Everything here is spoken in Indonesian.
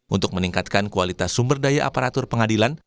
untuk meningkatkan kualitas sumber daya aparatur pengadilan